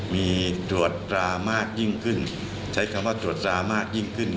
มีตรวจตรามากยิ่งขึ้นใช้คำว่าตรวจตรามากยิ่งขึ้น